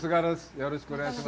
よろしくお願いします。